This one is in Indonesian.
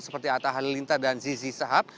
seperti atta halilinta dan zizi sahab